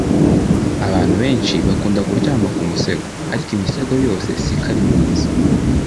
Abantu beshi bakunda kuryama ku musego ariko imisego yose siko ari myiza